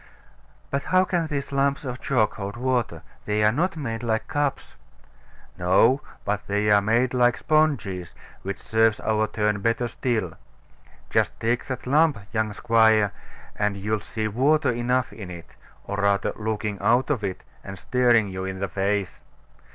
But how can these lumps of chalk hold water? They are not made like cups. No: but they are made like sponges, which serves our turn better still. Just take up that lump, young squire, and you'll see water enough in it, or rather looking out of it, and staring you in the face.